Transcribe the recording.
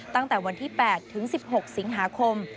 ตั้งแต่วันที่๘ถึง๑๖สิงหาคม